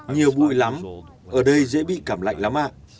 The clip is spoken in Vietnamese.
nhiều bụi lắm ở đây dễ bị cảm lạnh lắm